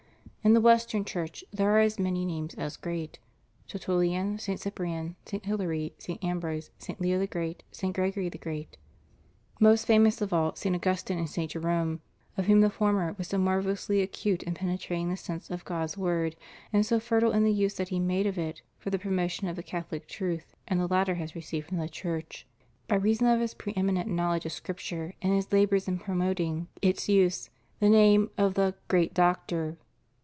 In the Western Church there are as many names as great: Ter tullian, St. Cyprian, St. Hilary, St. Ambrose, St. Leo the Great, St. Gregory the Great; most famous of all, St. Augustine and St. Jerome, of whom the former was so marvellously acute in penetrating the sense of God's Word and so fertile in the use that he made of it for the promotion of the Catholic truth, and the latter has re ceived from the Church, by reason of his pre eminent knowledge of Scripture and his labors in promoting its THE STUDY OF HOLY SCRIPTURE. 279 use, the name of the "great Doctor."